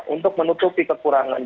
untuk menutupi kekurangan